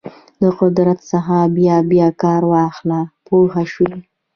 د قدرت څخه بیا بیا کار واخله پوه شوې!.